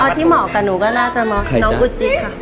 ที่เหมาะกับหนูก็น่าจะเหมาะน้องกุจิค่ะ